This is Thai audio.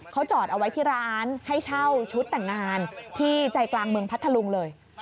เขาจอดเอาไว้ที่ร้านให้เช่าชุดแต่งงานที่ใจกลางเมืองพัทธลุงเลย